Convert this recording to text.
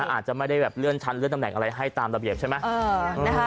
อาจจะไม่ได้แบบเลื่อนชั้นเลื่อนตำแหน่งอะไรให้ตามระเบียบใช่ไหม